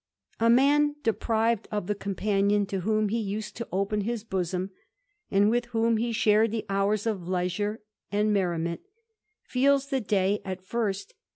A man deprived of the companion m he used to open his bosom, and with whom he the hours of leisure and merriment, feels the day at